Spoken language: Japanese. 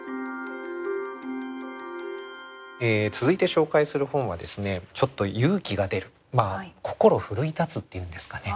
続いて紹介する本はですねちょっと勇気が出るまあ心奮い立つっていうんですかね